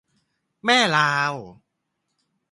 แม่ลาว